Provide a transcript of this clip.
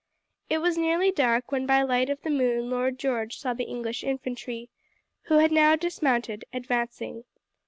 It was nearly dark when by the light of the moon Lord George saw the English infantry, who had now dismounted, advancing.